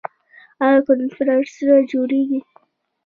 آیا کنفرانسونه جوړیږي؟